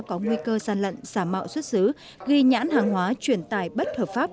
có nguy cơ gian lận xả mạo xuất xứ ghi nhãn hàng hóa chuyển tài bất hợp pháp